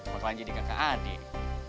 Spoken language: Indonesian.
bakalan jadi kakak adik